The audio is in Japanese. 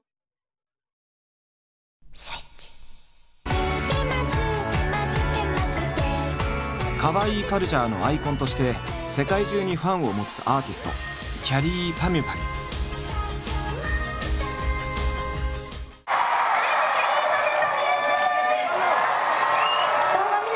「つけまつけまつけまつける」「ＫＡＷＡＩＩ」カルチャーのアイコンとして世界中にファンを持つアーティストきゃりーぱみゅぱみゅ。